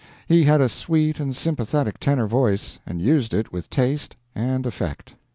He had a sweet and sympathetic tenor voice, and used it with taste and effect.